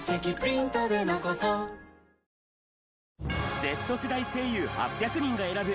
Ｚ世代声優８００人が選ぶ！